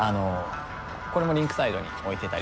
これもリンクサイドに置いてたりとか。